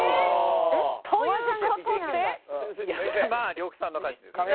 呂布さんの勝ちですね。